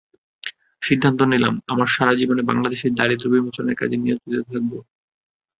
সিদ্ধান্ত নিলাম, আমার সারা জীবনে বাংলাদেশের দারিদ্র্য বিমোচনের কাজে নিয়োজিত থাকব।